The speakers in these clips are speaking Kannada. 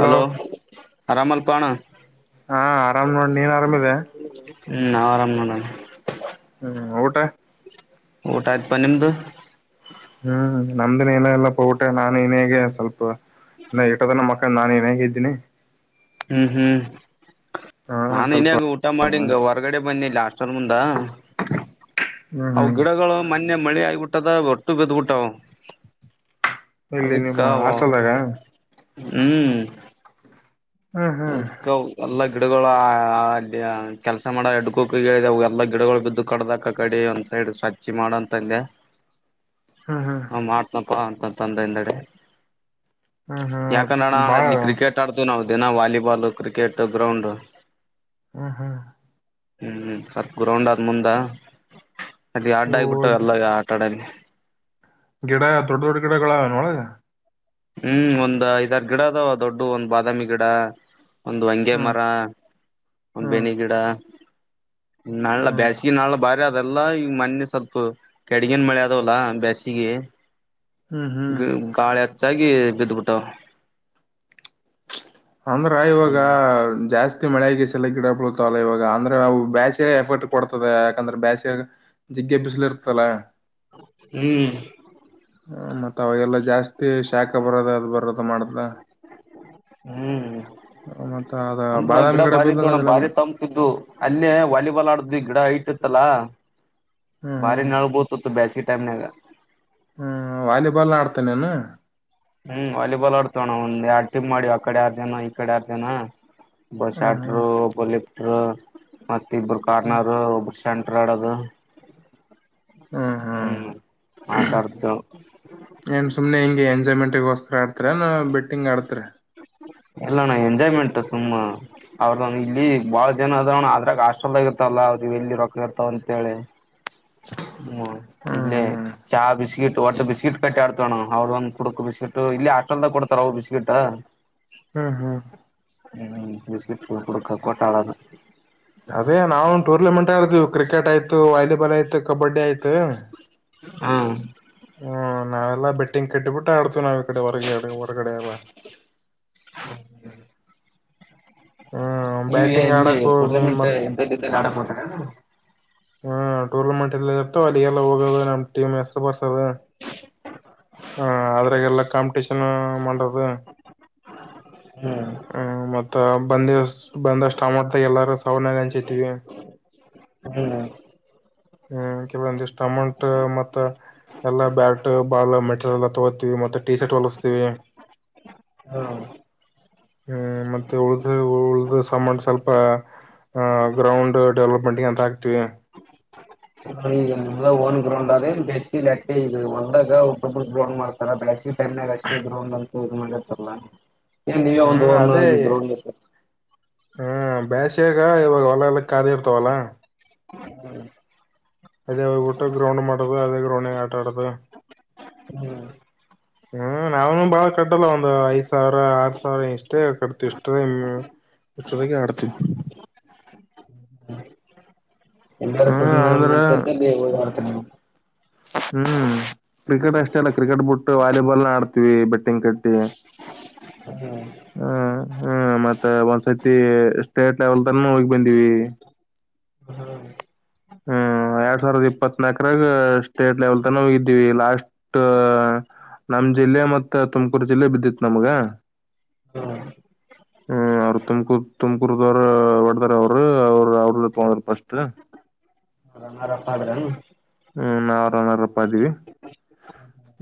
ಹಲೋ ಆರಾಮಲ್ಪಣ ಹಾ ಆರಾಮ್ ನೋಡ ನೀನ್ ಆರಾಮಿದೆ ಹ್ಮ್ ನಾವ್ ಆರಾಮ್ ನೋಡಣ ಹ್ಮ್ ಊಟ ಊಟ ಆಯ್ತಾಪಾ ನಿಮ್ದು ಹ್ಮ್ ನಮ್ದಿನ ಏನ ಇಲ್ಲಪ್ಪ ಊಟ್ ನಾನು ಇನೇಗೆ ಸ್ವಲ್ಪ ಇನ್ನ ಇಟದ ಮಕ್ಕಳ ನಾನು ಇನ್ ಹೀಗ ಎದ್ದೀನಿ ಹ್ಮ್ ಹ್ಮ್ ಹಾ ನಾನು ಸ್ವಲ್ಪ ಇನ್ಯಾಗ ಊಟ ಮಾಡಿಂಗ ಹೊರ್ಗಡೆ ಬಂದಿ ಹಾಸ್ವಲ್ ಮುಂದ ಹ್ಮ್ ಅವು ಹ್ಮ್ ಗಿಡಗಳು ಮೊನ್ನೆ ಮಳಿ ಆಗಬಿಟ್ಟದ ಒಟ್ಟು ಬಿದಬಿಟ್ಟಾವ ಇಲ್ಲಿ ನಿಮ್ಮ ಅದಕ್ಕವಾ ಹಾಸ್ಟೆಲ್ದಾಗ ಹ್ಮ್. ಹ್ಮ್ ಹ್ಮ್ [unintelligible] ಗಿಡಗಳು ಅ ಕೆಲಸ ಮಾಡ ಹೆಡಕುಕಗ ಹೇಳದ ಗಿಡಗಳು ಬಿದ್ದು ಕಡ್ದಕ್ಕ ಕಡೆ ಒಂದ್ ಸೈಡ್ ಸ್ವಚ್ ಚಿ ಮಾಡಂತಂದೆ ಹ್ಮ್ ಹ್ಮ್ ಹ್ಮ ಮಾಡ್ತ ಹ ಅಂತಂತಂದ ಇಂದಡೆ ಹ್ಮ್ ಯಾಕಂದಣ ಹ್ಮ್ ಬಾಳ ಇಲ್ಲಿ ಕ್ರಿಕೆಟ್ ಆಡ್ದು ನಾವು ದಿನ ವಾಲಿಬಾಲ್ ಕ್ರಿಕೆಟ್ ಗ್ರೌಂಡ್ ಹ್ಮ ಹ್ಮ್ ಹ್ಮ್ ಸ್ವಲ್ಪ ಗ್ರೌಂಡ್ ಆದ್ ಮುಂದ ಅಲ್ಲಿ ಆಡ್ಡ ಇವು ಆಗಬಿಟ್ಟಾವ ಎಲ್ಲ ಆಟ ಆಡಲಿ ಗಿಡ ದೂಡ ದೂಡ್ ಗಿಡಗಳಾವನ ಒಳಗ ಹ್ಮ್ ಒಂದ್ ಐದ ಹತ್ತ ಗಿಡ ಅದಾವ ದೊಡ್ಡ ಒಂದ್ ಬಾದಾಮಿ ಗಿಡ. ಒಂದು ವಂಗ್ಯ ಹ್ಮ್ ಮರ ಒಂದ್ ಹ್ಮ್ ಬೆನಿ ಗಿಡ. ನಳ ಹ್ಮ್ ಬ್ಯಾಸಿಗಿ ನಾಳ ಬಾರಿ. ಅದೆಲ್ಲಾ ಈ ಮೊನ್ನೆ ಸ್ವಲ್ಪ ಕೆಡಗಿನ ಮಳೆ ಅದವಲ್ಲ ಬ್ಯಾಸಿಗಿ. ಹ್ಮ್ ಹ್ಮ್ ಗಾಳಿ ಹೆಚ್ಚಾಗಿ ಬಿಡ್ಡಬಿಟ್ಟವ್. ಅಂದ್ರ ಇವಾಗ ಜಾಸ್ತಿ. ಮಳೆಗೆಸಲ ಗಿಡ ಬಳ್ತಾವಲ್ಲ ಇವಾಗ ಅಂದ್ರೆ ಅವು ಬ್ಯಾಸ್ಯಾಗ್ ಎಫೆಕ್ಟ್ ಕೊಡ್ತದೆ ಯಾಕಂದ್ರ ಬ್ಯಾಸ್ಯಾಗ್. ಜಿಗ್ಗೆ ಬಿಸಿಲು ಇರ್ತಲ್ಲ. ಹ್ಮ್. ಹ ಮತ್ತತ್ ಅವಾಗೆಲ್ಲ ಜಾಸ್ತಿ ಶಾಖ ಬರದ ಅದು ಬರದ ಮಾಡ್ದ. ಹ್ಮ್. ಅದ ಅಂದ್ರ ಬಾದಾಮಿ ಗಿಡ ಬಾರಿ ಬಿದ್ದಲ್ಲ ಇದಣ್ಣ ಅದೆಲ್ಲ ಭಾರಿ ಹ್ಮ್ ತಂಪಿದ್ದು ಅಲ್ಲೇ ವಾಲಿಬಾಲ್ ಆಡ್ದ್ವಿ ಗಿಡ ಅಯ್ತಿ. ಅಲ್ಲಾ ಬಾರಿ ಹ್ಮ್ ನೆಲ್ ಬಿಲ್ತೇತಿ ಬ್ಯಾಸ್ಗೀ ಟೈಮ್ನಾಗ. ಹ್ಮ್ ವಾಲಿಬಾಲ್ ಆಡ್ತೀನಿನು. ಹ್ಮ್ ವಾಲಿಬಾಲ್ ಆಡ್ತೇವಿ ಒಂದ್ ಎರಡ್ ಟಿಮ್ ಮಾಡಿವ್ ಆಕಡೆ ಆರ್ ಜನ ಈ ಕಡೆ ಆರ್ ಜನ. ಒಬ್ಬ ಹ್ಮ್ ಶ್ಯಾಟ್ರು ಒಬ್ಬ ಲಿಫ್ಟರು ಮತ್ತ ಇಬರು ಹ್ಮ್ ಕಾರ್ನರ್ರು ಒಬ್ಬರು ಶ. [unintelligible] ಹ್ಮ್ ಹ್ಮ್ ಆಟ ಆಡ್ತೇವು ಏನ್ ಸುಮ್ನೆ ಹಿಂಗೆ ಎಂಜಾಯ್ಮೆಂಟ್ಗೋಸ್. ಆಡ್ತೀರ್ ಎನ ಬೆಟ್ಟಿಂಗ್ ಆಡ್ತರ. ಇಲ್ಲನ್ನ ಎಂಜಾಯ್ಮೆಂಟ್ ಸುಮ್ಮ. ಅವ್ರ ಇಲ್ಲಿ ಬಾಳ ಜನ ಅದವನ್ನ ಅದ್ರಾಗ ಆಶ್ರಮದಾಗ ಇರ್ತಾರಲ್ಲಾ ಅವ್ರ ಎಲ್ಲಿ ರೊಕ್ಕ ಇರ್ತವಂತೇಳಿ. [inaudible] ಹ್ಮ ಹ್ಮ್ ಇಲ್ಲೆ ಚಾ ಬಿಸ್ಕಿಟ್ ಒಟ್ಟು ಬಿಸ್ಕಿಟ್ ಕಟ್ಟಿ ಅಡ್ತೆವ್ ನಾವ ಅವರು ಒಂದು ಪುಡಕ್ ಬಿಸ್ಕಿಟ್ ಇಲ್ಲ. ಚೆಂದಗಿ ಕೊಡ್ತಾರವು ಬಿಸ್ಕೆಟ್. ಹ್ಮ್ ಹ್ಮ್. ಹ್ಮ ಬಿಸ್ಕಿಟ್ ಪುಡುಕ ಕೊಟ್ಟ ಆಡೋಣ. ಅದೇ ನಾವು ಒಂದ ಟೂರ್ನಮೆಂಟ್ ಆಡತವಿ ಕ್ರಿಕೆಟ್ ಆಯ್ತು ವಾಲಿಬಾಲ್ ಆಯ್ತು ಕಬಡ್ಡಿ ಆಯ್ತು. ಹ್ಮ. ಹ್ಮ ನಾವೆಲ್ಲಾ ಬೆಟ್ಟಿಂಗ್ ಕಟ್ಟಿಬಿಟ್ಟ ಆಡ್ತವ ನಾವ. ಡೆ ಹೊರಗಡೆ ಹೊರಗಡೆವಾ. ನೀವ ಎಲ್ಲಿ ಆಡಕ್ ಹೋಗ ಟೂರ್ನಾಮೆಂಟ್ ಮತ್ [unintelligible] ಹೊಂಟಾರ್ ಏನ್. ಹ್ಮ ಟೂರ್ನಮೆಂಟ್ ಎಲ್ಲ ಇರ್ತವೆ ಅಲ್ಲಿ ಎಲ್ಲ ಹೋಗೋ ನಮ್ ಟೀಮ್ ಹೆಸರ ಬರ್ಸಿ. ಹ ಅದ್ರಾಗಲ್ಲ ಕಾಂಪಿಟಷನ್ ಮಾಡುಂದ. ಹ್ಮ್. ಬಂದ ಬಂದಷ್ಟ ಅಮೌಂಟ್ ಎಲ್ಲಾರು ಸಾವನಾಗ ಹಂಚಿದವಿ ಹ್ಮ್. ಹ್ಮ್ ಕೆಲವಂದ ಸ್ಟಮಂಟ್ ಮತ್ತ ಎಲ್ಲಾ ಬ್ಯಾಟ್ ಬಾಳ ಮೆಟರಿಯಲ್ ಎಲ್ಲ ತಗೋತಿವಿ. ಮತ್ತೆ ಟೀ ಶರ್ಟ್ ಹೊಲಸ್ತೀ. ಹಾ. ಹ್ಮ್ ಮತ್ತೆ ಉಳ್ದ ಉಳ್ದ ಸಾಮಂಡ ಸ್ವಲ್ಪ. ಆಹ ಗ್ರೌಂಡ್ ಡೆವಲಪ್ಮೆಂಟ್ ಗೆ ಅಂತ ಹಾಕ್ತಿವಿ. ಈಗಮ್ದ ಓನ್ ಗ್ರೌಂಡ್ ಅೇ ಬೇಸ್ ಈಗ ಒಂದಾಗ ಡ್ಬ ಗ್ರೌಂಡ್ ಮಾಡ್ತಾರ ಬೇ. ಈ ಟೈಮಾಗ ಅಷ್ಟೇ ಗ್ರೌಂಡ್ ಅಂತೂ ಇ ಈ ಮಾಡರ್ತಲ್ಲ ಏನ್ ನೀವ ಒಂದು ಈ ಗ್ರೌಂಡ್. ಹ್ಮ ಬಸಿಯಾಗ ಇವಾಗ ಹೊಲಕ್ಕೆ ಖಾಲಿ ಇಡ್ತವಲ್ಲ. ಹ್ಮ. ಅದೇೋಗಬೊಟ್ಟು ಗ್ರೌಂಡ್ ಮಾಡತ ಅದೇ ಗ್ರೌಂಡ ಆಟ ಆಡದ. ಹ್ಮ್ ಹ್ಮ್ ನಾವ್ ಬಾಳ ಕಟ್ಟಲ್ಲ ಒಂದು್ ಐದ ಸಾವಿರ ಆರ್ ಸಾವಿರ ಇಷ್ಟೇ ಕಟ್ತವಿ ಇಷ್ಟ. [unintelligible] ಹ. ಎಲ್ಲಾರ ತು ಹ್ಮ್ [unintelligible] ಅಂದ್ರ ಮಾಡ್ತಂತ ಓದಡ್ತ ಹ್ಮ್ ಕ್ರಿಕೆಟ್ ಅಷ್ಟೇ ಅಲ್ಲ ಕ್ರಿಕೆಟ್ ಬಿಟ್ಟು ವಾಲಿಬಾಲ್ನ ಆಡ್ತೀವಿ ಬೆಟ್ಟ [unintelligible] ಕಟ್ಟಿ ಹ್ಮ್ ಹ್ಮ ಹ್ಮ್ ಮತ್ತ ಒಂದ್ಸತಿ ಸ್ಟೇಟ್ ಲೆವೆಲ್ [unintelligible] ತನೂ ಹೋಗಿ ಬಂದಿವಿ ಹಾ ಹ್ಮ ಎರಡ್ ಸಾವಿರದ ಇಪ್ಪತ್ನಾಕರಾಗ ಸ್ಟೇಟ್ ಲೆವೆಲ್ ತನ ಹ ಇದ್ದೀವಿ ಲಾಸ್ಟ್ [unintelligible] ನಮ್ ಜಿಲ್ಲೆ ಮತ್ತ ತುಮಕುರು ಜಿಲ್ಲೆ ಬಿದ್ದಿತ್ ನಮ್ಗ ಹ್ಮ [unintelligible] [inaudible] ಹ್ಮ್ ಅವ್ರರು ತುಮಕೂರ್ ತುಮಕೂರ್ದವರ ಒಡ್ದಾರ ಅವರು ಅವರು ಅವ್ರಲ್ಲ [unintelligible] ತಗೊಂಡ್ರ ಪಸ್ಟ್ ಹರಪ್ಪ್ರ [unintelligible] ಹ್ಮ್ ನಾವವುರನರಪ್ಪ [unintelligible] ಇದ್ದೀವಿ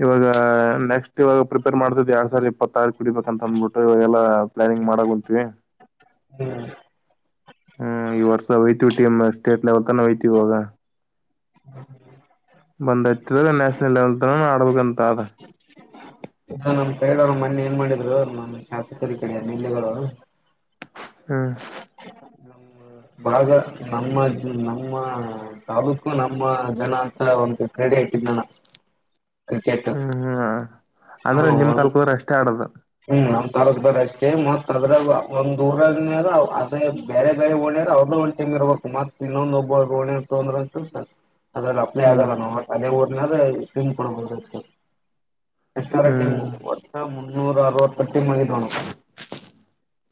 ಇವಾಗ ನೆಕ್ಸ್ಟ್ ಇವಾಗ ಪ್ರಿಪೇರ್ ಮಾಡ್ತಿದ್ದ್ ಎರಡ್ ಸಾವಿರ ಇಪ್ಪಾರು [unintelligible] ವಡಿಬೇಕ ಅಂತ ಅಂದ್ಬಿಟ್ಟುವಾಗಲ್ಲ ಪ್ಲಾನಿಂಗ್ ಮಾಡಿ ಮಾಡಂತೀವಿ [unintelligible] ಹ್ಮ್ ಹ್ಮ್ ಈ ವರ್ಷ ಹಯ್ತವಿ ಟೀಮ್ ಸ್ಟೇಟ್ ಲೆವೆಲ್ ತಾನ ಹಯ್ತವಿ ಆಗ [unintelligible] ಬಂದ ಇತಿದಾಗ ನ್ಯಾಷನಲ್ ಲೆವೆಲ್ ತನ ಆಡ್ಬೇಕಂತ ಅ [unintelligible] ಇದು ನಮ್ ಸೈಡ್ ಅವ [unintelligible] ಏನ್ ಮಾಡಿದ್ರು ನಮ್ಮ ಶಾಸಕರಿ ಕಡೆಗರು ಹ್ಮ್ ಬಾಗ ನಮ್ಮ ನಮ್ಮ ತಾಲೂಕು ನಮ್ಮ ಜನ ಅಂತ ಒಂದು ಕ್ರೀಡೆ ಕ [unintelligible] [inaudible] ಹ್ಮ್ ಹ್ಮ್ ಹ ಅಂದ್ರೆ ನಿಮ್ ತಾಲೂಕುದವ್ರು ಅಷ್ಟೇ ಆಡದು ತಾಲೂಕ್ ಬ ಅಷ್ಟೇ ಮತ್ತತ್ ಅದ್ರ ಒಂದ್ ದೂರಲ್ಲಿಸ ಬೇರೆ ಗಾಯ ಒಣ ಅವದೋ ಒಂದು ಟೀಮ್ ಇರ್ಬೇಕು ಮತ್ತ ಇನ್ನೊಂದು ಒಬ್ಬ ಒಣೆ ತೊಂದ್ರ ಅಂತಸ ಅ ಒಂದು ಅಪ್ಲೇ ಹ್ಮ್ ಆಗಲ್ಲ ನ ಅದೇ ಒ [unintelligible] ನರ ಟೀಮ್ ಕೊಡಬೋುದು ಎಷ್ಟರ ಹ್ಮ್ ಟೀಮು ಒಟ್ಟ ಮುನ್ನೂರ ಆರವತ್ತು ಟೀಮ್ ಆಗಿದ [unintelligible]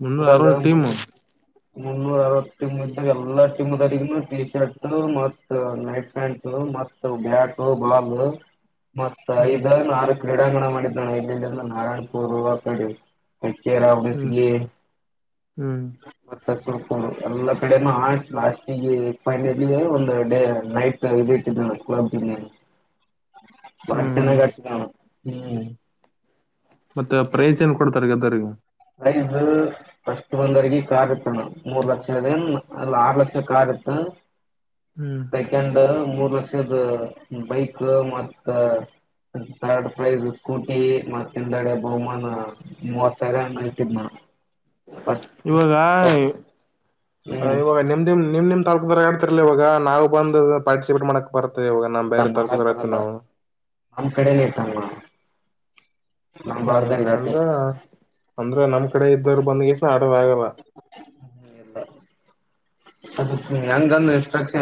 ಮುನ್ನೂರ ಅ ಅರವತ್ತು ಟೀಮು ಮುನ್ನೂರ ಆರವತ್ ಟೀಮ್ ಇದಾಗ ಎಲ್ಲಾ ಟೀಮ್ ದವರಿಗ ಟಿ ಶರ್ಟ್ ಮತ್ ನೈಟ್ ಪ್ಯಾಂಟ್ಸ್ ಮತ್ ಬ್ಯಾಟ್ ಹ ಬಲ [unintelligible] ಮತ್ತ ಹ್ಮ್ ಐದ ಆರು [unintelligible] ಕ್ರೀಡಾಂಗಣ ಮಾಡಿದ್ದಣ ಇಲ್ಲಿಲ್ಲಿಂದ ನಾರಾಯಣಪುರ್ ಕಡೆ ಅಕೆರಾ ಹ್ಮ್ ಬೇಸಿಗೆ ಹ್ಮ್ ಮತ್ತಕು [unintelligible] ಎಲ್ಲ ಕಡೆನೂ ಆಸ್ ಲಾಸ್ಟಿಗೆ ಫೈನಲಿ ಒಂದು ಡೇ ನೈಟ್ ಇ ಇಟ್ಟಿದ್ದ ಕ್ಲ [unintelligible] ಹ [unintelligible] [inaudible] ಹ [unintelligible] [inaudible] ಮ [unintelligible] ಚನ್ನ ಗ ಹ್ಮ್ ಮತ್ತೆ ಪ್ರೈಸ್ ಏನ್ ಕೊಡ್ತಾರೆ ಗೆದರ್ಗೇ ಪ್ರೈಜ ಫಸ್ಟ್ ಒಂದ್ವರಿಗಿ ಕರ್ ಆಗತ್ತಣ ಮೂರ್ ಲಕ್ಷ ಅದ ಆರ್ ಲಕ್ಷ ಕರ್ ತ್ತ ಹ್ಮ್ [unintelligible] [unintelligible] ಮೂರು ಲಕ್ಷದ ಬೈಕ್ ಮತ್ತ ತರ್ಡ್ ಪ್ರೈಸ್ ಸ್ಕೂಟಿ ಮತ್ತಿಂದಡೆ ಬಹುಮಾನ ಮೂವತ್ ಸಾವಿರ ಆಯ್ತಿದಮ್ಮ ಇವಾಗ ಹ್ಮ್ ಇವಾಗ ನಿಮ್ದಿಮ್ ನಿಮ್ ನಿಮ್ ತಾಕದ ಆಡ್ತಿರ್ಲಿಲ್ಲವಾಗ ನಾವು ಬಂದು ಪಾರ್ಟಿಸಿಪೇಟ್ ಮಾಡಕ್ ಪರತ ಹ ಇಲ್ಲ ಅಂಬೈರ ತಾಲ್ಕ ಮಾಡಕ್ ಬರಲ್ಲ ಕರತನ್ನಾವಣ [unintelligible] ನಮ್ ಕಡೆನೇ ಇಟ್ಟಮ್ಮ ನಮ್ ಹ್ಮ್ ಭಾಗದಲ್ಲಿ ಇಟ್ಟೆ ಅಂದ್ರ [unintelligible] ಅಂದ್ರ ನಮ್ ಕಡೆ ಇದ್ದರು ಬಂದ್ಗೆಸ ಆಡವ ಆಗಲ್ಲ ಹ್ಮ ಎಲ್ಲ [unintelligible] ಅದು ಇಷ್ಟ್ರಕ್ಷ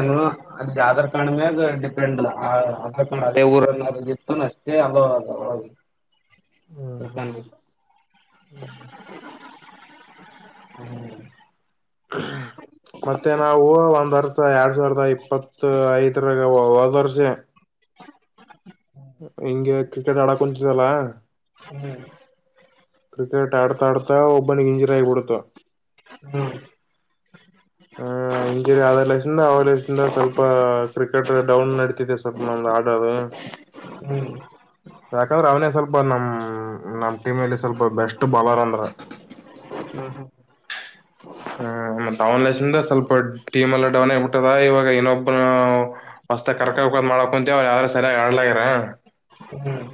ಅದು ಜಾರಾಣ [unintelligible] ಅದಕ್ ಅದೇ ಊರನ್ನತ್ತು ಅಷ್ಟೇ ಅಲ್ಲ ಒ [unintelligible] ತ ಹ್ಮ್ ಹ್ಮ್ [unintelligible] [inaudible] ಹ್ಮ [unintelligible] [inaudible] ಮತ್ತೆ ನಾವು ಒಂದ್ ವರ್ಸ ಎರಡ್ ಸಾವಿರದ ಇಪ್ಪ [unintelligible] ಇಪ್ಪತ್ತು ಐದರಗ ಹೊದರ್ಸೆ ಹಿಂಗೆ ಕ್ರಿಕೆಟ್ ಆಡಕ್ ಕುಂತಿದಲ್ಲ. ಹ್ಮ್ ಕ್ರಿಕೆಟ್ ಆಡ್ತಾ ಆಡ್ತಾ ಒಬ್ಬನಿಗೆ ಇಂಜರಿ ಆಗಿಬಿಡತ ಹ್ಮ್ ಆ ಇಂಜುರಿ ಆದ ಲಲೆಸಿಂದ ಲಲೆೈಸಿಂದ ಸ್ವಲ್ಪ ಕ್ರಿಕೆಟ್ ಡೌನ್ ನಡತಿದೆ ಸ್ವಲ್ಪ ಮಾ ಡ್ರಾವೆ ಹ್ಮ್ ಯಾಕಂದ್ರೆ ಅವನೇ ಸ್ವಲ್ಪ ನಮ್ ನಮ್ ಟೀಮಲ್ಲಿ ಸ್ವಲ್ಪ ಬೆಸ್ಟ್ ಬಾಲರ್ ಅಂದ್ರ. ಹ್ಮ್ ಹ್ಮ್ ಹಾ ತಾವನ್ ದಸಿಂದ ಸ್ವಲ್ಪ ಟೀಮ ಎಲ್ಲ ಡೌನ್ ಆಗ್ಬಿಟ್ಟದ ಇವಾಗ ಇನೊಬ್ಬನ ಹೊಸ್ ಕರ್ಕ. ಮಾಡಕ ಕುಂತ ಅವ್ ಯಾರ ಸರಿಯ ಆಡ್ಲರ ಹ್ಮ್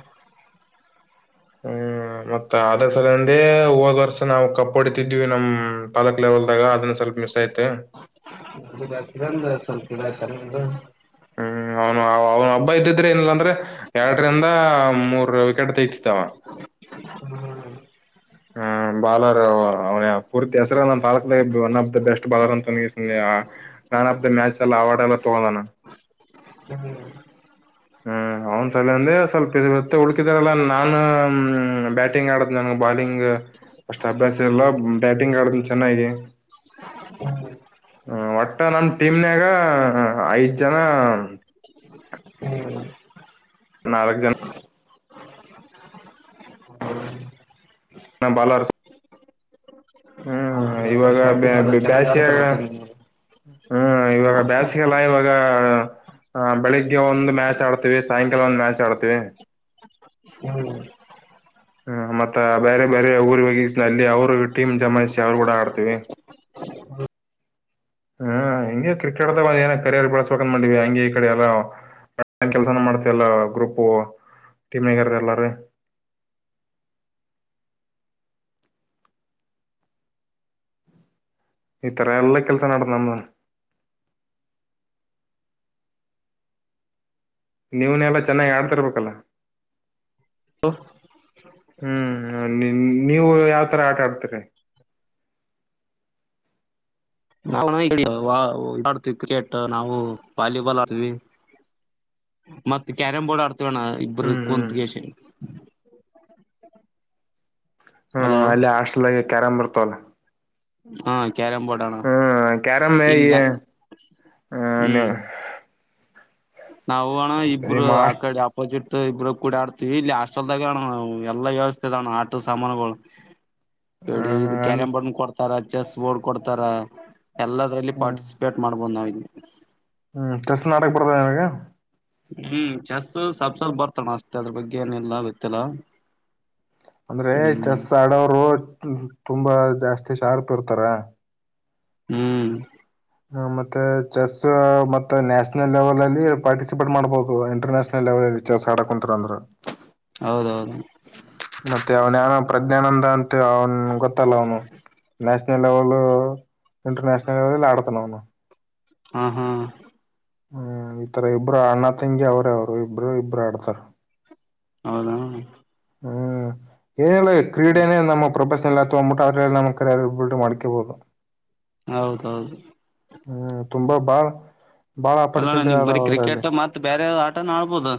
ಹ್ಮ್ ಮತ್ತ ಅದ್ರ ಸಲಂದೇ ಹೋಗ ವರ್ಸ ನಾವು ಕಪ್ ಹೊಡತಿದ್ವಿ ನಮ್ ಪಾಲಕ್ ಲೆವೆಲ್ದಾಗ ಅದನ್ನ ಸಲ ಮಸಯತ [unintelligible] ಹ್ಮ್ ಅವನು ಅವನ ಹಬ್ಬ ಇದ್ದಿದ್ರೆ ಏನಿಲ್ಲಾಂದ್ರೆ ಎರಡರಿಂದ ಮೂರ್ ವಿಕೆಟ್ ತೆಗತಿತ್ತವ [inaudible] ಹ್ಮ್ ಬಾಲರ್ ಅವನ ಪೂರ್ತಿ ಹೆಸರ ನ ತಾಲೂಕ one of the best bowler ಅಂತ [unintelligible] ಹ ಮನ್ ಆಫ್ ದ ಮಚ್ ಎಲ್ಲ ಅವಾರ್ಡ್ ಎಲ್ಲ ತೋಗಳನ. ಹಾ ಅವನ್ ಸಲ ಅಂದೆ ಸ್ವಲ್ಪ ಇವತ್ತ ಉಳ್ಕಿದಾರಲ್ಲ ನಾನು ಬ್ಯಾಟಿಂಗ್ ಆಡದ್ ನನ್ ಬಾಲಿಂಗ್. ಅಷ್ಟ್ ಅಭ್ಯಾಸ ಎಲ್ಲ ಬ್ಯಾಟಿಂಗ್ ಆಡದನ್ ಚೆನ್ನಾಗಿ. ಹ ಒಟ್ಟ ನನ್ ಟೀಮ್ನಯಾಗ ಐದ್ ಜನ ನಾಲ್ಕ ಜನ ನ ಬಲರ್ಸ್ ಹ್ಮ್ ಎಲ್ಲ ಇವಾಗ ಬ್ಯಾಟಿಂಗ್ ಎಲ್ಲ ಚೆನ್ನಾಗ್ ಆಡ್ತಾರ ಬ್ಯಾಸಿಗ್ಯಗ ಒಟ್ಟ ನಿಮ್ದು ಹ್ಮ ಇವಾಗ ಬ್ಯಾಸಿಗೆಲ್ಲ ಇವಾಗ ಹ ಬೆಳಿಗ್ಗೆ ಒಂದ್ ಮ್ಯಾಚ್ ಆಡ್ತವಿ ಸಾಯಂಕಾಲ ಒಂದ್ ಮ್ಯಾಚ್ ಆಡ್ತವಿ. ಹ್ಮ್ ಹ್ಮ್ ಮತ್ತ ಬೇರೆ ಬೇರೆ ಊರಿಗೆ ಹೋಗಿ ಅಲ್ಲಿ ಅವ್ರು ಟೀಮ್ ಜಮಾಯಿಸಿ ಅವ್ರು ಕೂಡ ಆಡ್ತೀವಿ. [inaudible] ಹ್ಮ್ ಹಿಂಗೆ ಕ್ರಿಕೆಟ್ ಏನ ಕರಿಯರ್ ಬೆಳಸ್ಬೇಕಂದ ಮಾಡಂದಿವವಿ ಹಂಗಗೆ ಈ ಕಡೆ ಎಲ್ಲ ನ್ ಕೆಲ್ಸನ ಮಾಡ್ತ ಎಲ್ಲ ಗ್ರೂಪ್ ಟೀಮ್ಗ್ಯಾರ ಎಲ್ಲಾರ್. [inaudible] ಇತ್ರ ಎಲ್ಲ ಕೆಲಸನ ನೀವ್ನೆಲ್ಲಾ ಚೆನ್ನಾಗಿ ಆಡ್ತರ್ಬೇಕಲ್ಲ [inaudible] ಹ್ಮ್ ನಿಮ್ ನೀವು ಯಾವ್ತರ ಆಟಾಡ್ತರಿ ನಡ್ವಿ ಕ್ರಿಕೆಟ್ ನಾವು ವಾಲಿಬಾಲ್ ಆತವಿ ಮತ್ತತ್ ಕ್ಯಾರಂ್ ಬೋರ್ಡ್ ಆಡ್ತವಣ್ಣ ಇಬ್ಬರು ಹ್ಮ್ ಹ್ಮ್ ಕುಂತ್ಗೆಸಿ. ಹ್ಮ್ ಹಲೋ ಅಲ್ಲಿ ಹಾಸ್ಲಾಗೆ ಕ್ಯಾರಾಮ್ ಬರ್ತವಲ್ಲ ಹಾ ಕ್ಯಾರಂ ಬೋರ್ಡ್ ಆಣನ ಕ್ಯಾರಮ್ ಇಲ್ಲ ಹ್ಮ್ ನಾವು ಅಣ ಇಬ್ರು ನಿಮ್ಮ ಆ ಹಾಸ್ಟ್ ಕಡೆ ಆಪೋಸಿಟ್. ಇಬ್ರ ಕೂಡ ಆಡ್ತೀವಿ ಇಲ್ಲಿ ಹಾಸ್ಟೆಲ್ದಾಗ ಅಣ್ಣ ಎಲ್ಲಾ ವ್ಯವಸ್ಥೆ ಅಣ್ಣ ಆಟಲ್ ಸಾಮಾನುಗಳು ಕಡಿ ಇದು ಅಂದ್ರ ಕ್ಯಾರಂ ಬೋರ್ಡ್ ಕೊಡ್ತಾರ ಚೆಸ್ ಬೋರ್ಡ್ ಕೊಡ್ತಾರ. ಎಲ್ಲರಲ್ಲಿ ಹ್ಮ್ ಪಾರ್ಟಿಸಿಪೇಟ್ ಮಾಡ್ಬೋದು ನಾವಿಲ್ಲಿ. ಹ್ಮ್ ಚಟೆಸ್ ನಾಕ್ ಬರ್ತದೆ ನಿಮಗೆ ಹ್ಮ್ ಚೆಸ್ ಸಪ್ಸಲ್ ಬರ್ತಾನ ಅಷ್ಟೇ ಅದ್ರ ಬಗ್ಗೆ ಏನಿಲ್ಲ ಗೊತ್ತಿಲ್ಲ ಅಂದ್ರೆ ಹ್ಮ್ ಚೆಸ್ ಆಡೋರು ತುಂಬಾ ಜಾಸ್ತಿ ಶಾರಪ್ ಇರ್ತಾರ ಹ್ಮ್ ಮತ್ತೆ ಚೆಸ್ ಮತ್ತೆ ನ್ಯಾಷನಲ್ ಲೆವೆಲ್ ಅಲ್ಲಿ ಪಾರ್ಟಿಸಿಪೇಟ್ ಮಾಡ್ಬಹುದು ಇಂಟರ್ನ್ಯಾಷನಲ್ ಲೆವೆಲ್ ಚೆಸ್ ಆಡಕ ಕುಂಂತರ ಅಂದ್ರ ಹೌದೌದು ಮತ್ತೆ ಅವನ್ನ ಪ್ರಜ್ಞಾನಂದ ಅಂತ ಅವನ್ ಗೊತ್ತಲ್ಲ ಅವನು ನೇಷನಲ್ ಲೆವೆಲ್ ಇಂಟರ್ನೆೇಷನಲ್ ಲೇವೆಲ್ ಆಡ್ತನವುನು ಹ್ಮ ಹ್ಮ ಹ್ಮ್ ಈತರ ಇಬ್ರು ಅಣ್ಣ ತಂಗಿ ಅವರೇ ಅವ್ರು ಇಬ್ರು ಇಬ್ರು ಆಡ್ತಾರ ಹೌದಾ ಹ್ಮ್ ಏನಿಲ್ಲ ಕ್ರೀಡೆನ ನಮ್ಮ ಪ್ರೊಬ ಎಲ್ಲ ಹೋಗ್ಬಿಟ್ಟ ಅವರೆಲ್ಲಿ ನಮಬ್ಬಲ್ಟ್ ಮ ಮಾಡಿಕ್ಕೆಬೋುದು ಹೌದೌದು ಹ್ಮ ತುಂಬಾ ಬಾಳ್ ಬಾಳ ಅಲ್ಲಣ್ಣ ನೀ ಆಪರ್ಚುನಿಟಿ ಬರೀ ಅದಾವ ಅದ್ರಲ್ಲಿ ಕ್ರಿಕೆಟ್ ಮತ್ ಬೇರೆ ಆಟನ ಆಡ್ಬೋದು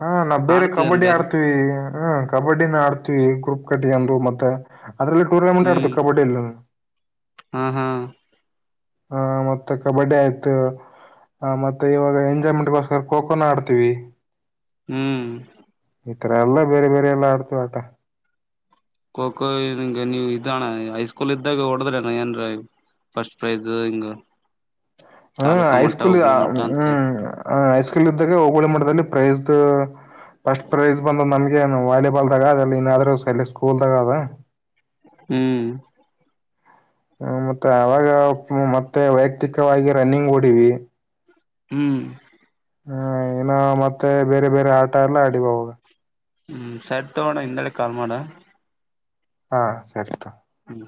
ಹಾ ನಾ ಬೇರೆ ಆಡ್ತಿದನ್ ಕಬಡ್ಡಿ ಬೇರೆ ಆಡ್ತೀವಿ ಹ್ಮ ಕಬಡ್ಡಿನ ಆಡ್ತ ಗ್ರೂಪ್ ಕಟ್ಟಿ ಅಂದು ಮತ್ತೆ ಅದ್ರಲ್ಲಿ ಟೂರ್ನಮೆಂಟ್ ಆಡತು ಹ್ಮ್ ಕಬಡಯಲ್ಲಿ ಹಾ ಹಾ ಹಾ ಮತ್ತೆ ಕಬಡ್ಡಿ ಆಯ್ತು ಹ ಮತ್ತೆ ಇವಾಗ ಎಂಜಾಯ್ಮೆಂಟ್ಗೋಸ್ಕರ ಕೊಖೋನ ಆಡ್ತೀವಿ ಹ್ಮ್ ಈತರ ಎಲ್ಲ ಬೇರೆ ಬೇರೆ ಎಲ್ಲ ಆಡ್ತು ಆಟ ಖೋ ಖೋಗೆ ನೀವ್ ಇದ್ದಣ ಹೈಸ್ಕೂಲ್ ಇದ್ದಾಗ ಹೊಡದ್ರಣ ಏನ್ ಫಸ್ಟ್ ಪ್ರೈಸ್ ಹಂಗ ಹ್ಮ್ ಹೈಸ್ಕೂಲ್ ಹ್ಮ್ ಹಸ್ಕೂ ಇದಾಗ ಹೋಗಳಿ ಮಾಡದಲ್ಲಿ ಪ್ರೈಸ್ ಫಸ್ಟ್ ಪ್ರೈಸ್ ಬಂದ ನಮ ಈನು ವಾಲಿಬಾಲ್ದಾಗ ಅಲ್ಲಿ ಏನಾದ್ರೂ ಸಲ್ಲಿ ಸ್ಕೂಲ್ದಾಗ ಅದ ಹ್ಮ್ ಹ್ಮ ಮತ್ತೆ ಅವಾಗ ಮತ್ತೆ ವೈಯಕ್ತಿಕವಾಗಿ ರನ್ನಿಂಗ್ ಓಡಿವಿ ಹ್ಮ್ ಹ್ಮ ಏನ ಮತ್ತೆ ಬೇರೆ ಬೇರೆ ಆಟ ಎಲ್ಲ ಆಡಿಬ ಹಾಗ ಹ್ಮ್ ಸೈಟ್ ತಗೋಣ ಹಿಂದೆಳ ಕಾಲ್ ಮಾಡ ಹಾ ಸರಿತ ಹ